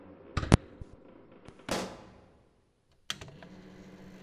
Ha firmado un contrato de dos años.